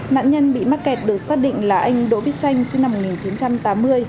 nạn nhân bị mắc kẹt được xác định là anh đỗ bích chanh sinh năm một nghìn chín trăm tám mươi